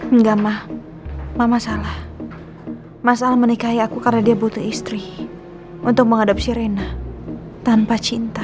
enggak mah mama salah masalah menikahi aku karena dia butuh istri untuk mengadopsi rena tanpa cinta